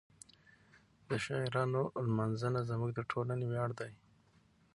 د شاعرانو لمانځنه زموږ د ټولنې ویاړ دی.